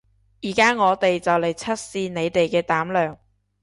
而家我哋就嚟測試你哋嘅膽量